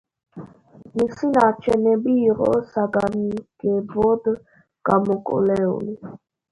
მისი ნარჩენები იყო საგანგებოდ გამოკვლეული.